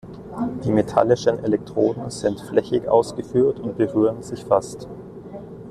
Die metallischen Elektroden sind flächig ausgeführt und berühren sich fast.